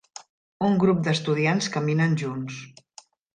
Un grup d'estudiants caminen junts.